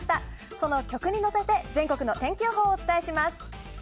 その曲に乗せて全国の天気予報をお伝えします。